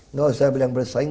nggak usah bilang bersaing